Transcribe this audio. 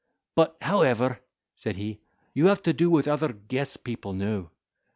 "But, however," said he, "you have to do with other guess people now.